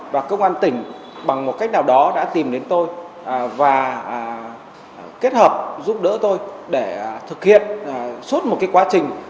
và công an tỉnh bằng một cách nào đó đã tìm đến tôi và kết hợp giúp đỡ tôi để thực hiện suốt một quá trình